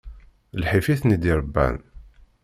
D lḥif i ten-i-d-irebban.